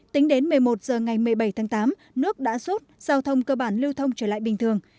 tính đến một mươi một h ngày một mươi bảy tháng tám nước đã rút giao thông cơ bản lưu thông trở lại bình thường